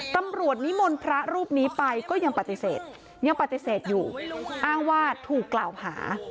นิมนต์พระรูปนี้ไปก็ยังปฏิเสธยังปฏิเสธอยู่อ้างว่าถูกกล่าวหา